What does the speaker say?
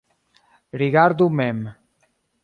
Rigardu mem.